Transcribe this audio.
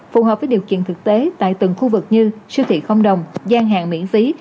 phù hợp với điều kiện thực tế tại từng khu vực như siêu thị không đồng gian hàng miễn phí